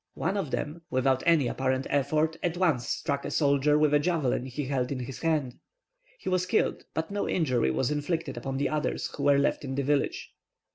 One of them, without any apparent effort, at once struck a soldier with a javelin he held in his hand. He was killed, but no injury was inflicted upon the others who were left in the village.